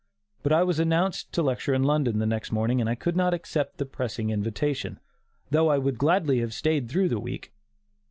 But I was announced to lecture in London the next evening and I could not accept the pressing invitation, though I would gladly have stayed through the week.